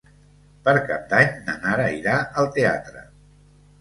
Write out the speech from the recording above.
Per Cap d'Any na Nara irà al teatre.